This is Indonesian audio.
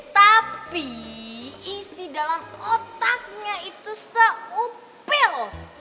tapi isi dalam otaknya itu se upil